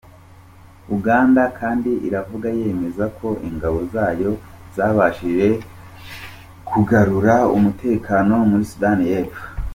Uganda kandi iravuga yemeza ko ingabo zayo zabashije kugarura umutekano muri Sudany’Epfo.